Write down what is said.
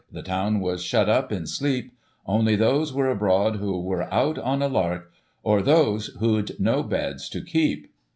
The town was shut up in sleep ; Only those were abroad who were out on a lark» Or those, who'd no beds to keep.